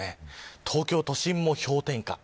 東京都心も氷点下。